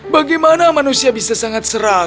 bagaimana manusia bisa sangat serah